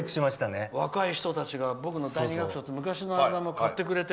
若い人たちが僕の「第二楽章」っていう昔のアルバムを買ってくれて。